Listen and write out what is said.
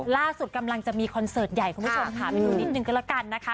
ล่าสุดกำลังจะมีคอนเสิร์ตใหญ่คุณผู้ชมค่ะไปดูนิดนึงก็แล้วกันนะคะ